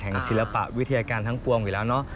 ศิลปะวิทยาการทั้งปวงอยู่แล้วเนอะ